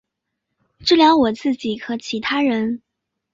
治疗我自己和其他人